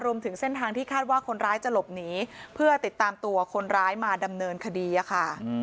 รวมถึงเส้นทางที่คาดว่าคนร้ายจะหลบหนีเพื่อติดตามตัวคนร้ายมาดำเนินคดีค่ะ